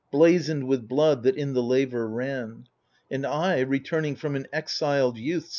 Blazoned with blood that in the laver ran. And I, returning from an exiled youth.